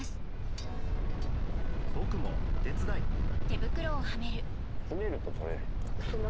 僕もお手伝いひねると取れる？